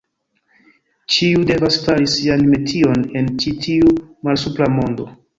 Ĉiu devas fari sian metion en ĉi tiu malsupra mondo.